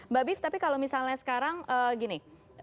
mbak biv tapi kalau misalnya sekarang gini